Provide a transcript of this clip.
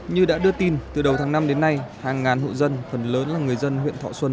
như đã đưa tin từ đầu tháng năm đến nay hàng ngàn hộ dân phần lớn là người dân huyện thọ xuân